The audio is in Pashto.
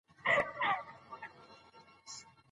څوک دا طریقه مشهوره کړه؟